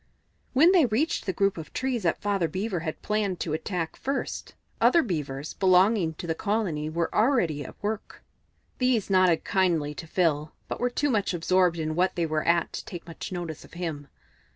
When they reached the group of trees that Father Beaver had planned to attack first, other Beavers belonging to the colony were already at work. These nodded kindly to Phil, but were too much absorbed in what they were at to take much notice of him.